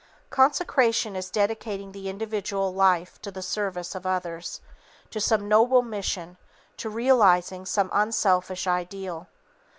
Consecration is dedicating the individual life to the service of others, to some noble mission, to realizing some unselfish ideal.